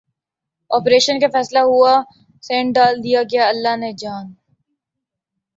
operation کا فیصلہ ہوا سٹنٹ ڈال دیا گیا اللہ نے جان